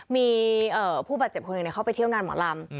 มีผู้บาดเจ็บคนหนึ่งเข้าไปเที่ยวงานหมอลำ